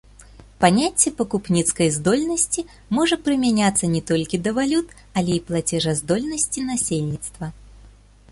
Паняцце пакупніцкай здольнасці можа прымяняцца не толькі да валют, але і плацежаздольнасці насельніцтва.